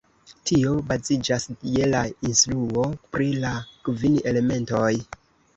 Tio baziĝas je la instruo pri la kvin elementoj.